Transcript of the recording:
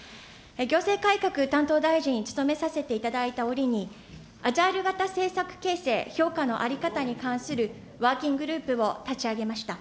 行政改革担当大臣、務めさせていただいた折に、アジャイル型政策形成評価の在り方に関するワーキンググループを立ち上げました。